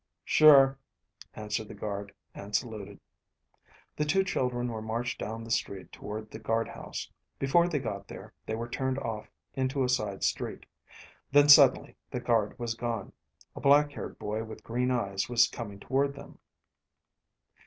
"Sure," answered the guard, and saluted. The two children were marched down the street toward the guard house. Before they got there, they were turned off into a side street. Then suddenly the guard was gone. A black haired boy with green eyes was coming toward them.